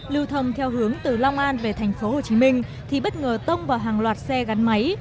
lưu thầm theo hướng từ long an về thành phố hồ chí minh thì bất ngờ tông vào hàng loạt xe gắn máy